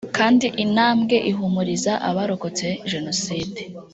kandi intambwe ihumuriza abarokotse Jenoside